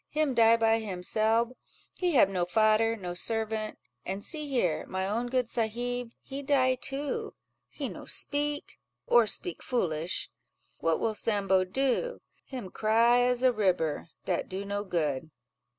him die by himselb: he hab no fader, no servant; an see here, my own good sahib—he die too, he no speak, or speak foolish: what will Sambo do? him cry as a ribber, dat do no good."